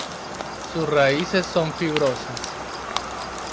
Sus raíces son fibrosas.